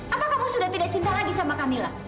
apa kamu sudah tidak cinta lagi sama kamila